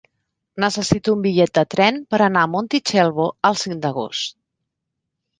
Necessito un bitllet de tren per anar a Montitxelvo el cinc d'agost.